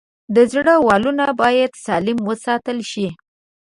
د زړه والونه باید سالم وساتل شي.